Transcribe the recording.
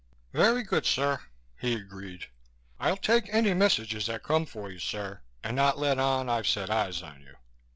"Very good, sir," he agreed. "I'll take any messages that come for you, sir, and not let on I've set eyes on you."